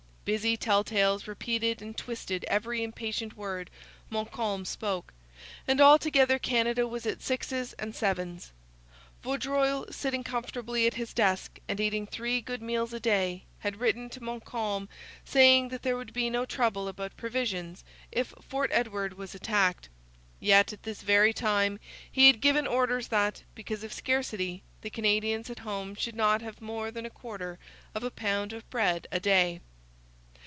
Busy tell tales repeated and twisted every impatient word Montcalm spoke, and altogether Canada was at sixes and sevens. Vaudreuil, sitting comfortably at his desk and eating three good meals a day, had written to Montcalm saying that there would be no trouble about provisions if Fort Edward was attacked. Yet, at this very time, he had given orders that, because of scarcity, the Canadians at home should not have more than a quarter of a pound of bread a day.